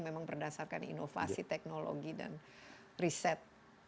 memang berdasarkan inovasi teknologi dan riset